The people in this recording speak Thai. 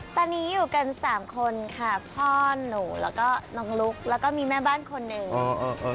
ตอนนี้อยู่กันสามคนค่ะพ่อหนูแล้วก็น้องลุ๊กแล้วก็มีแม่บ้านคนหนึ่ง